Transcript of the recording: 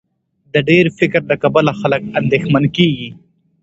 د ډېر فکر له کبله خلک اندېښمن کېږي.